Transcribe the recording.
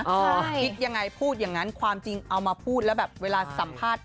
คิดยังไงพูดอย่างนั้นความจริงเอามาพูดแล้วแบบเวลาสัมภาษณ์